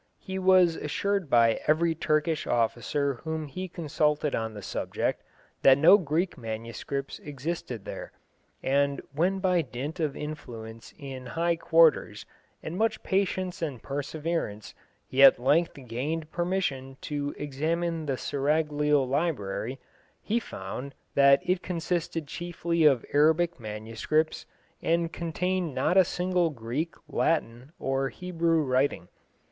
He was assured by every Turkish officer whom he consulted on the subject that no Greek manuscripts existed there; and when by dint of influence in high quarters and much patience and perseverance he at length gained permission to examine the Seraglio library, he found that it consisted chiefly of Arabic manuscripts, and contained not a single Greek, Latin, or Hebrew writing.